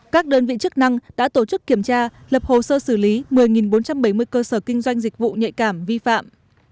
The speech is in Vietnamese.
các đơn vị chức năng đã tổ chức kiểm tra lập hồ sơ xử lý một mươi bốn trăm bảy mươi cơ sở kinh doanh dịch vụ nhạy cảm vi phạm